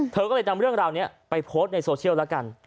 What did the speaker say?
เธอก็เลยนำเรื่องราวนี้ไปโพสต์ในโซเชียลแล้วกัน